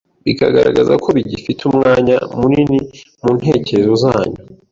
bikagaragaza ko bigifite umwanya munini mu ntekerezo zanyu